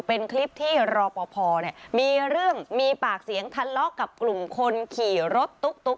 เป็นคลิปที่รอปภมีเรื่องมีปากเสียงทะเลาะกับกลุ่มคนขี่รถตุ๊ก